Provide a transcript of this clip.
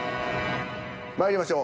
まいりましょう。